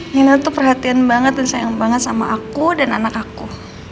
nginal tuh perhatian banget dan sayang banget sama aku dan anak aku